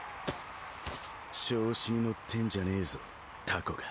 調子に乗ってんじゃねえぞタコが。